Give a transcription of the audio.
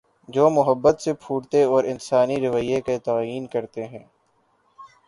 جومحبت سے پھوٹتے اور انسانی رویے کا تعین کر تے ہیں۔